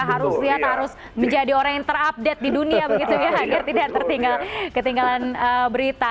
harus lihat harus menjadi orang yang terupdate di dunia begitu ya agar tidak ketinggalan berita